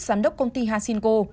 giám đốc công ty hasinko